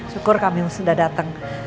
syukur kami sudah datang